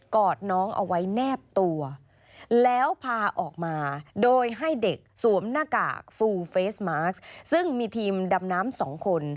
อดน้องเอาไว้แนบตัวแล้วพาออกมาโดยให้เด็กสวมหน้ากากฟูเฟสมาร์คซึ่งมีทีมดำน้ำสองคน